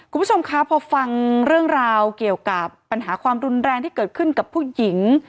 คุณผู้ชมคะพอฟังเรื่องราวเกี่ยวกับปัญหาความรุนแรงที่เกิดขึ้นกับผู้หญิง